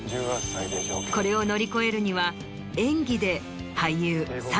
これを乗り越えるには演技で。